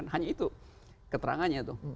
hanya itu keterangannya